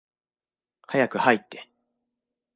早く入って。